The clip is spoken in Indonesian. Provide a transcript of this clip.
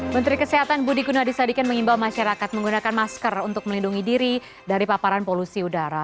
menteri kesehatan budi gunadisadikin mengimbau masyarakat menggunakan masker untuk melindungi diri dari paparan polusi udara